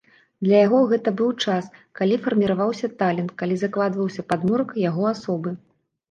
Для яго гэта быў час, калі фарміраваўся талент, калі закладваўся падмурак яго асобы.